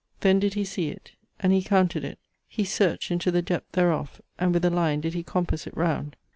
Then did he see it, And he counted it; He searched into the depth thereof, And with a line did he compass it round!